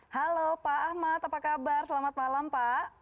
halo pak ahmad apa kabar selamat malam pak